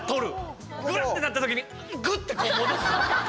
ぐらってなったときにぐってこう戻す。